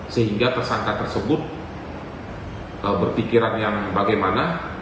sehingga tersangka tersebut berpikiran yang bagaimana